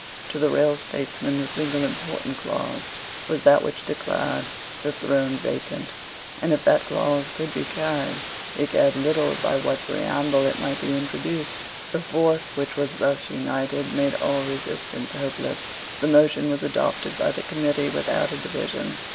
To the real statesman the single important clause was that which declared the throne vacant; and, if that clause could be carried, he cared little by what preamble it might be introduced. The force which was thus united made all resistance hopeless. The motion was adopted by the Committee without a division.